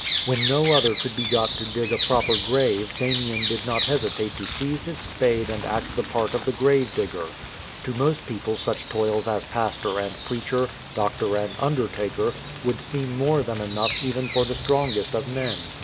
When no other could be got to dig a proper grave, Damien did not hesitate to seize his spade and act the part of the grave digger. To most people such toils as pastor and preacher, doctor and undertaker, would seem more than enough even for the strongest of men.